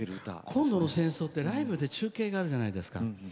今度の戦争はライブで中継があるじゃないですか。